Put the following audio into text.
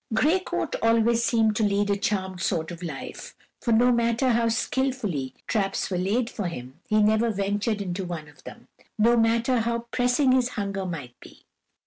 Gray Coat always seemed to lead a charmed sort of life, for no matter how skilfully traps were laid for him he never ventured into one of them, no matter how pressing his hunger might be.